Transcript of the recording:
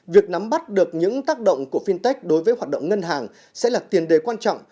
việc nắm bắt được những tác động của fintech đối với hoạt động ngân hàng sẽ là tiền đề quan trọng